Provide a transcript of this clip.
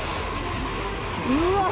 うわっ